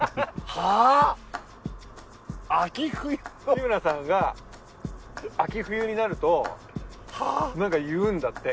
日村さんが秋冬になるとなんか言うんだって口癖で。